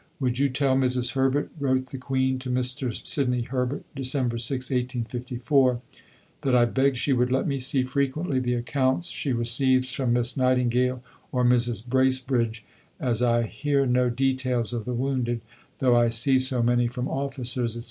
"Would you tell Mrs. Herbert," wrote the Queen to Mr. Sidney Herbert (Dec. 6, 1854), "that I beg she would let me see frequently the accounts she receives from Miss Nightingale or Mrs. Bracebridge, as I hear no details of the wounded, though I see so many from officers, etc.